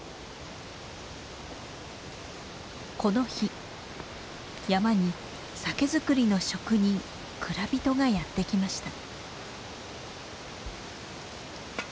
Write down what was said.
この日山に酒造りの職人蔵人がやって来ました。